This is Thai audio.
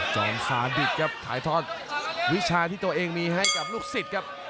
จอมซาดิตครับถ่ายทอดวิชาที่ตัวเองมีให้กับลูกศิษย์ครับ